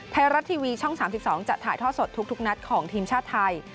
ไทยรัฐทีวีช่อง๓๒จะถ่ายท่อสดทุกนัดของทีมชาติไทย